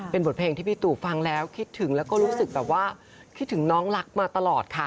เป็นบทเพลงที่พี่ตู่ฟังแล้วคิดถึงแล้วก็รู้สึกแบบว่าคิดถึงน้องรักมาตลอดค่ะ